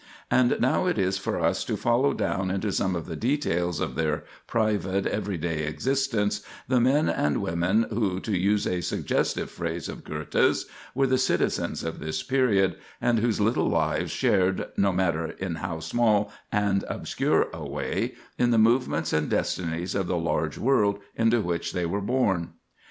And now it is for us to follow down into some of the details of their private, every day existence the men and women who, to use a suggestive phrase of Goethe's, were the citizens of this period, and whose little lives shared, no matter in how small and obscure a way, in the movements and destinies of the large world into which they were born.